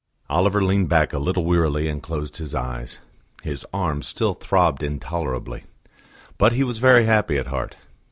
Oliver leaned back a little wearily and closed his eyes; his arm still throbbed intolerably. But he was very happy at heart.